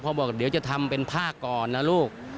บอกเดี๋ยวจะทำเป็นผ้าก่อนนะลูก